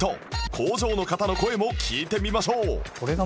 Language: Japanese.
工場の方の声も聞いてみましょう